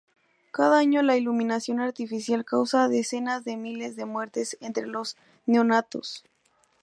Cada año la iluminación artificial causa decenas de miles de muertes entre los neonatos.